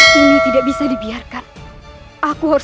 sekarang melaporkan ceritamu